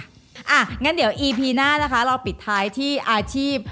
อย่างนั้นเดี๋ยวอีพีหน้านะคะเราปิดท้ายที่อาชีพ